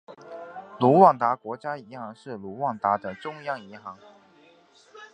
卢旺达国家银行是卢旺达的中央银行。